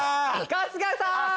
春日さん！